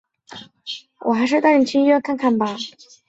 包兆龙其后亦于中国大陆各地参与多项公益项目。